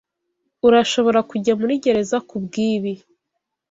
Urashobora kujya muri gereza kubwibi.